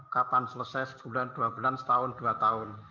kapan selesai sebulan dua bulan setahun dua tahun